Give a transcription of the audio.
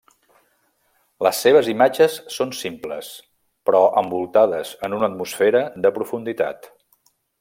Les seves imatges són simples però envoltades en una atmosfera de profunditat.